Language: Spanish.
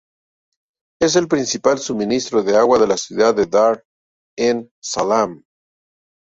Es el principal suministro de agua de la ciudad de Dar es Salaam.